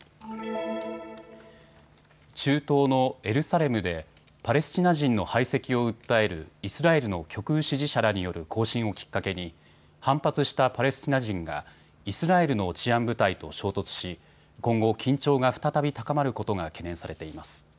中東のエルサレムでパレスチナ人の排斥を訴えるイスラエルの極右支持者らによる行進をきっかけに反発したパレスチナ人がイスラエルの治安部隊と衝突し、今後、緊張が再び高まることが懸念されています。